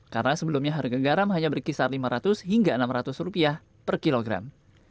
karena sebelumnya harga garam hanya berkisar lima ratus hingga enam ratus rupiah per kilogram